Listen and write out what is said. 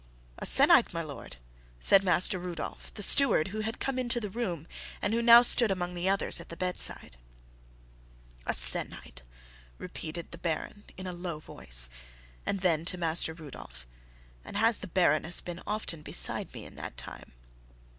"A sennight, my lord," said Master Rudolph, the steward, who had come into the room and who now stood among the others at the bedside. "A sennight," repeated the Baron, in a low voice, and then to Master Rudolph, "And has the Baroness been often beside me in that time?"